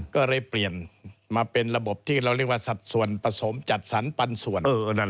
ก็เลยเปลี่ยนมาเป็นระบบที่เราเรียกว่าสัดส่วนผสมจัดสรรปันส่วน